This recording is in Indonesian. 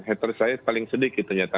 hater saya paling sedikit ternyata